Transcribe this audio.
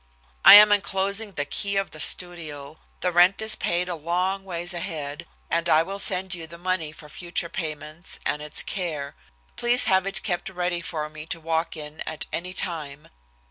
I am enclosing the key of the studio. The rent is paid a long ways ahead, and I will send you the money for future payments and its care. Please have it kept ready for me to walk in at any time.